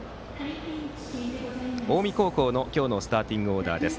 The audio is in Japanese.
近江高校の今日のスターティングオーダーです。